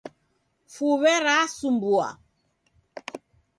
Fuwe rasumbua.